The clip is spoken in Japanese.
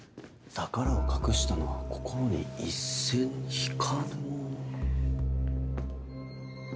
「宝を隠したのは、心に一線引かぬ者」。